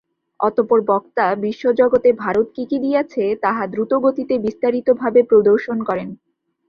অতঃপর বক্তা বিশ্বজগতে ভারত কি কি দিয়াছে, তাহা দ্রুতগতিতে বিস্তারিতভাবে প্রদর্শন করেন।